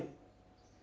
seperti itu saja